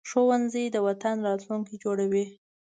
ښوونځی د وطن راتلونکی جوړوي